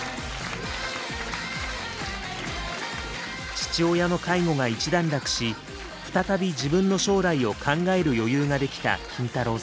父親の介護が一段落し再び自分の将来を考える余裕ができたキンタロー。